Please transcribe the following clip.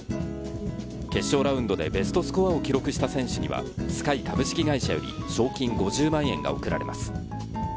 決勝ラウンドでベストスコアを記録した選手にはＳｋｙ株式会社より賞金５０万円が贈られます。